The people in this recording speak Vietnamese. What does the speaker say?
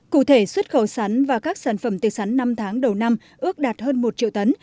cụ thể xuất khẩu sắn và các sản phẩm tư sắn năm tháng đầu năm ước đạt hơn một triệu tấn